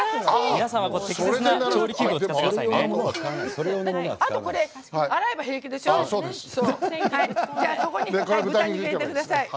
皆さんは適切な調理器具を使ってくださいね。